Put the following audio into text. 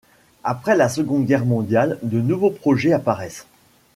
Après la Seconde Guerre mondiale de nouveaux projets apparaissent.